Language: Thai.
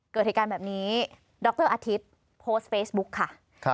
เกิดเหตุการณ์แบบนี้ดรอาทิตย์โพสต์เฟซบุ๊กค่ะ